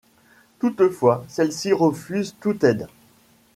Toutefois, celle-ci refuse toute aide.